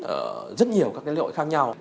ở rất nhiều các lễ hội khác nhau